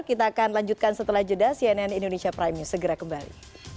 kita akan lanjutkan setelah jeda cnn indonesia prime news segera kembali